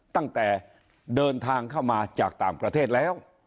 ตั้งแต่เดินทางเข้ามาจากต่างประเทศแล้ว